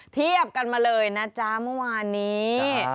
เทียบกันมาเลยนะจ๊ะเมื่อวานนี้